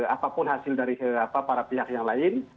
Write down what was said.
apapun hasil dari para pihak yang lain